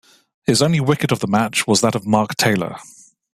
His only wicket of the match was that of Mark Taylor.